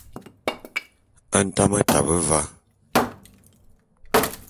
Ntame tabe va.